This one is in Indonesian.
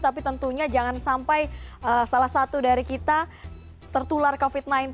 tapi tentunya jangan sampai salah satu dari kita tertular covid sembilan belas